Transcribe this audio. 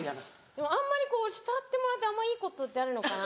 でもあんまり慕ってもらっていいことってあるのかな。